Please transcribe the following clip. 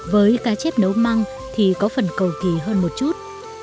với cá chép nấu măng thì có phần cầu kỳ hơn một chút